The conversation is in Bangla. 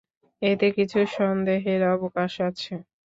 এতে কিছু সন্দেহের অবকাশ আছে।